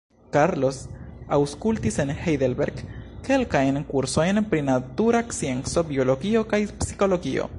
Karlo aŭskultis en Heidelberg kelkajn kursojn pri natura scienco, biologio kaj psikologio.